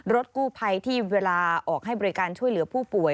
รถกู้ภัยที่เวลาออกให้บริการช่วยเหลือผู้ป่วย